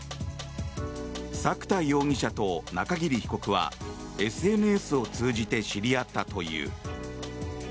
作田容疑者と中桐被告はＳＮＳを通じて知り合ったという。